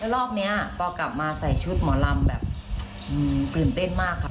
รอบนี้พอกลับมาใส่ชุดหมอลำแบบตื่นเต้นมากครับ